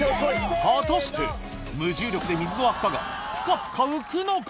果たして無重力で水の輪っかがぷかぷか浮くのか？